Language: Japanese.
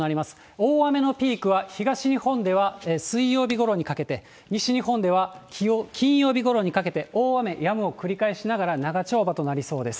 大雨のピークは、東日本では水曜日ごろにかけて、西日本では金曜日ごろにかけて大雨、やむを繰り返しながら長丁場となりそうです。